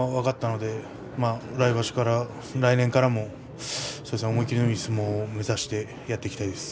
ですから、来年からも思い切りのいい相撲を目指してやっていきたいです。